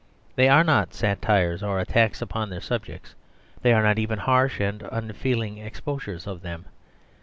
They are not satires or attacks upon their subjects, they are not even harsh and unfeeling exposures of them.